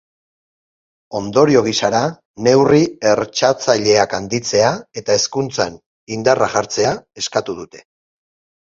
Ondorio gisara, neurri hertsatzaileak handitzea eta hezkuntzan indarra jartzea eskatu dute.